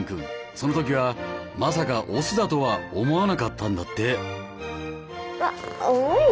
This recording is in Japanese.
その時はまさかオスだとは思わなかったんだって。